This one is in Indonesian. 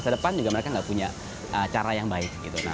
masa depan juga mereka nggak punya cara yang baik